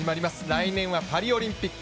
来年はパリオリンピック